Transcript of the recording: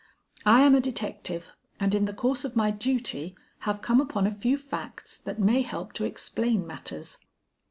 I am a detective, and in the course of my duty have come upon a few facts that may help to explain matters."